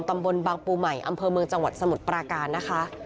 ตำบลบางปูใหม่อำเภอเมืองจังหวัดสมุทรปราการนะคะ